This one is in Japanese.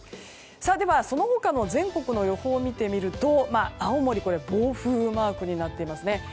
その他の全国の予報を見てみると青森、暴風雨マークになっていますね。